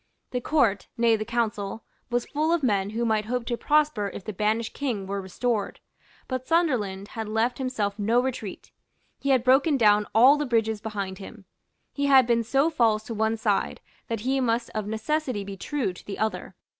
The Court, nay, the Council, was full of men who might hope to prosper if the banished King were restored. But Sunderland had left himself no retreat. He had broken down all the bridges behind him. He had been so false to one side that he must of necessity be true to the other.